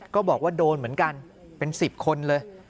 ก็บอกว่าโดนเหมือนกันเป็น๑๐คนเลย